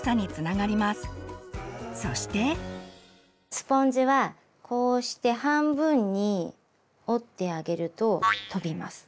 スポンジはこうして半分に折ってあげると飛びます。